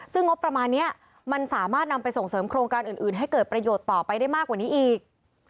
ซึ่งงบประมาณนี้มันสามารถนำไปส่งเสริมโครงการอื่นให้เกิดประโยชน์ต่อไปได้มากกว่านี้อีก